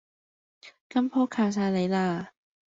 今鋪靠曬你啦！